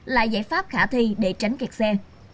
là giải pháp khả thi để tránh kẹt xe